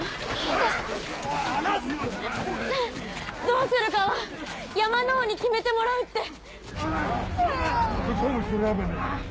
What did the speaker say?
「どうするかは山の王に決めてもらう」って。